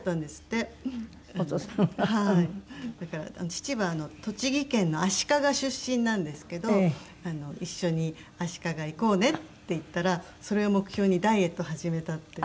だから父は栃木県の足利出身なんですけど「一緒に足利行こうね」って言ったらそれを目標にダイエット始めたって。